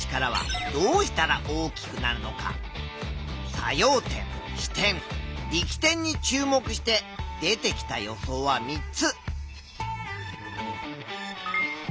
作用点支点力点に注目して出てきた予想は３つ。